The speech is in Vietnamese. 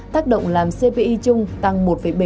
tác động làm cpi chung tăng một bảy mươi chín